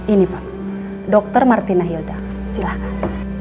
ini pak dr martina hilda silahkan